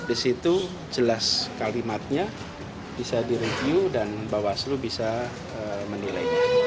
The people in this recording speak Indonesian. itu jelas kalimatnya bisa direview dan bawaslu bisa menilainya